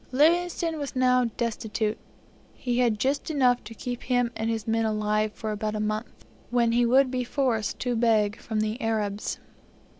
Livingstone was now destitute; he had just enough to keep him and his men alive for about a month, when he would be forced to beg from the Arabs.